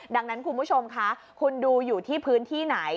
ดังนั้นคุณผู้ชมคะคุณดูอยู่ที่พื้นที่ไหน